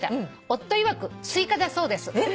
「夫いわくスイカだそうです」えっ！？